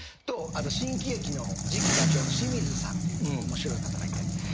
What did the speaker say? あと新喜劇の次期座長の清水さんっていう面白い方がいて。